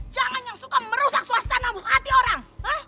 jangan yang suka merusak suasana bukan hati orang